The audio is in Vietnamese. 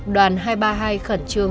đoàn hai trăm ba mươi hai khẩn trương